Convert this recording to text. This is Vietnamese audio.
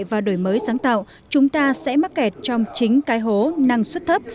và đổi mới sáng tạo chúng ta sẽ mắc kẹt trong chính cái hố năng suất thấp